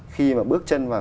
khi mà bước chân vào